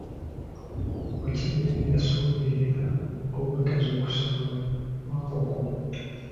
Wakibe yasooberera obutazuukusa Wankoko.